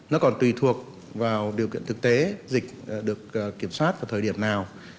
nó còn tùy thuộc vào điều kiện thực tế dịch được kiểm soát vào thời điểm nào